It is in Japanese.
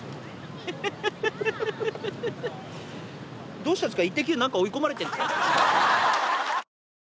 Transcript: どうしたんですか？